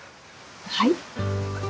はい？